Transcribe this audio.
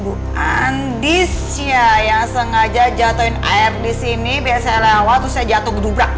bu andis ya yang sengaja jatuhin air disini biar saya lewat terus saya jatuh gedugrak